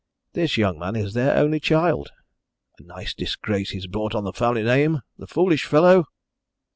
This young man is their only child. A nice disgrace he's brought on the family name, the foolish fellow!"